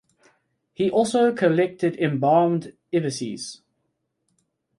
He also collected embalmed ibises.